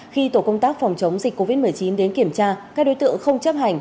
khi tổ công tác phòng chống dịch covid một mươi chín đến kiểm tra các đối tượng không chấp hành